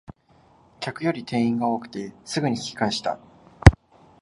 客より店員が多くてすぐに引き返した